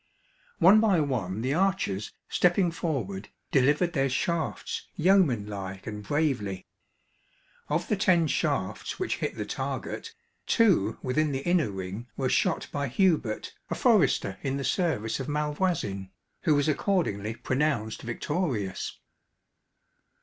One by one the archers, stepping forward, delivered their shafts yeomanlike and bravely. Of the ten shafts which hit the target, two within the inner ring were shot by Hubert, a forester in the service of Malvoisin, who was accordingly pronounced victorious.